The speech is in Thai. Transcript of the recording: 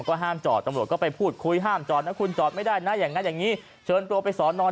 ก็ห้ามจอดตำรวจก็ไปพูดคุยห้ามจอดนะคุณจอดไม่ได้นะอย่างนั้นอย่างนี้เชิญตัวไปสอนอน